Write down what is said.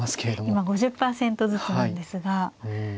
今５０％ずつなんですが。